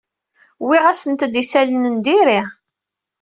Wwiɣ-asent-d isalan n diri.